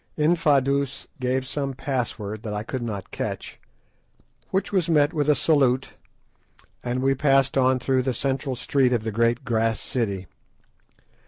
Infadoos gave some password that I could not catch, which was met with a salute, and we passed on through the central street of the great grass city.